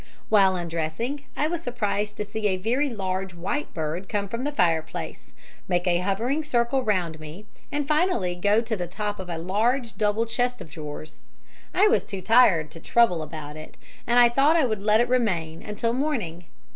While undressing I was surprised to see a very large white bird come from the fireplace, make a hovering circle round me, and finally go to the top of a large double chest of drawers. I was too tired to trouble about it, and thought I would let it remain until morning.